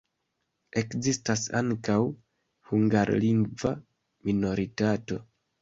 Ekzistas ankaŭ hungarlingva minoritato.